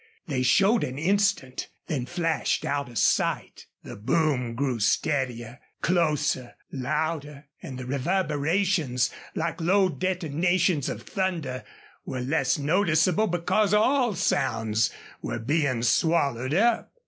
They showed an instant, then flashed out of sight. The boom grew steadier, closer, louder, and the reverberations, like low detonations of thunder, were less noticeable because all sounds were being swallowed up.